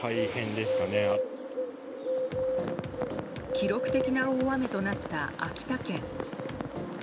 記録的な大雨となった秋田県。